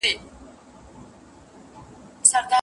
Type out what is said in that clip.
تا همېش ساتلې دې پر کور باڼه